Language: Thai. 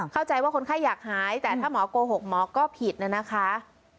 เข้าใจว่าคนไข้อยากหายแต่ถ้าหมอโกหกหมอก็ผิดนะคะ